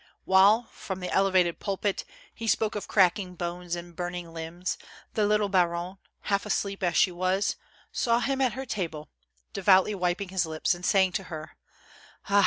While, from the elevated pulpit, he spoke of cracking bones and burning limbs, the little baronne, half asleep as she was, saw him at her table, devoutly wiping his lips and saying to her : ''Ah!